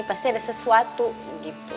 pasti ada sesuatu gitu